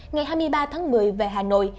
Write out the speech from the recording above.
ngày hai mươi ba tháng một mươi về hà nội